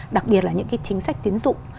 đặc biệt là những cái chính sách tiến dụng